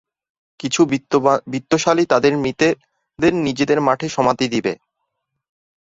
কিছু বিত্তশালী তাদের মৃতদের নিজ মাঠে সমাধি দেবে।